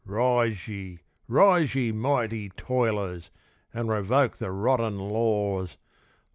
Rise ye! rise ye! mighty toilers! and revoke the rotten laws!